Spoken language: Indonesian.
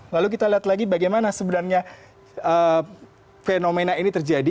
lalu kita lihat lagi bagaimana sebenarnya fenomena ini terjadi